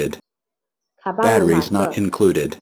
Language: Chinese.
卡巴卢马塞。